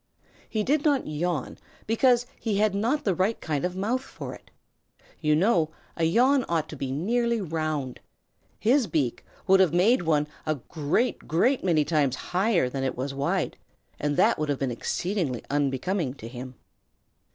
He did not yawn because he had not the right kind of mouth for it. You know a yawn ought to be nearly round. His beak would have made one a great, great many times higher than it was wide, and that would have been exceedingly unbecoming to him.